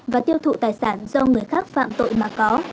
và tiêu thụ tài sản do người khác phạm tội mà có